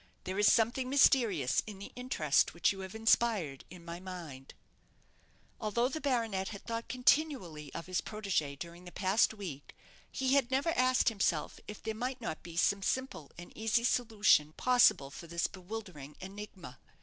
There is something mysterious in the interest which you have inspired in my mind." Although the baronet had thought continually of his protégée during the past week, he had never asked himself if there might not be some simple and easy solution possible for this bewildering enigma.